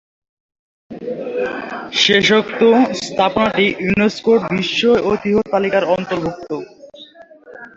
শেষোক্ত স্থাপনাটি ইউনেস্কোর বিশ্ব ঐতিহ্য তালিকার অন্তর্গত।